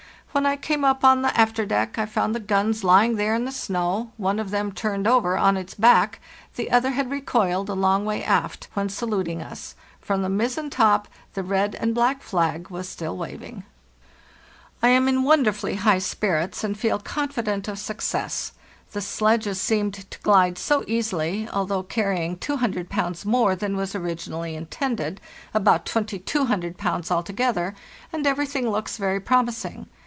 When I came up on the after deck, I found the guns lying there in the snow, one of them turned over on its back, the other had recoiled a long way aft, when sa luting us; from the mizzen top the red and black flag was still waving. "Tam in wonderfully high spirits, and feel confident of success; the sledges seemed to glide so easily, although carrying 200 pounds more than was originally intended (about 2200 pounds altogether), and everything looks very promising.